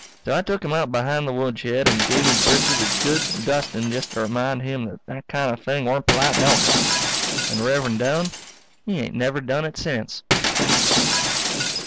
So I tuk him out behind the woodshed and give his britches a good dusting just to remind him that that kind of thing weren't polite nohow. And Rev'rend Doane, he ain't never done it sence.